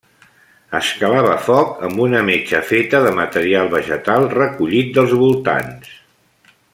Es calava foc amb una metxa feta de material vegetal recollit dels voltants.